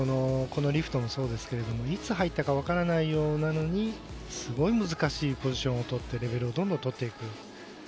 このリフトもそうですがいつ入ったかわからないようなのにすごい難しいポジションを取ってレベルをどんどん取っていく。